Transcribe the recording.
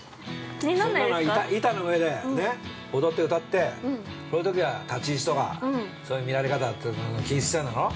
板の上で踊って歌って、そういうときは立ち位置とか、そういう見られ方とか気にしてるんだろう？